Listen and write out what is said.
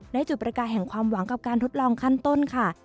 ในจุดประกายแห่งความหวังกับการทดลองขั้นต้นค่ะ